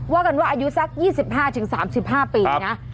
ว่ากันว่าอายุสัก๒๕๓๕ปีนะ